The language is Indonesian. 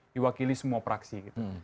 diwakili semua praksi gitu